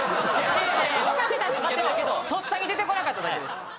いやいや分かってたんですけどとっさに出てこなかっただけ。